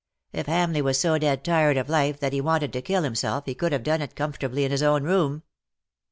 ^^If Hamleigh was so dead tired of life that he wanted to kill himself he could have done it com fortably in his own room."